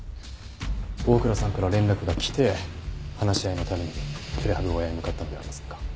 大倉さんから連絡が来て話し合いのためにプレハブ小屋に向かったのではありませんか？